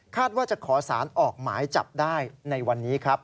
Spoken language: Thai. ว่าจะขอสารออกหมายจับได้ในวันนี้ครับ